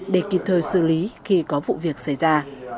để kịp thời xử lý khi có vụ việc xảy ra